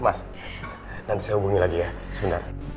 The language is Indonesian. mas nanti saya hubungi lagi ya sebentar